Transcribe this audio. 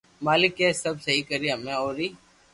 مالڪ اي سب سھي ڪرئي ھمي اوري